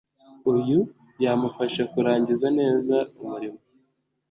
uyu yamufasha kurangiza neza umurimo